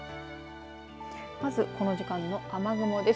まずこの時間の雨雲です。